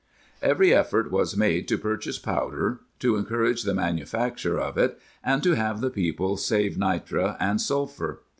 "^ Every effort was made to purchase powder, to encourage the manufacture of it, and to have the people save nitre and sulphur.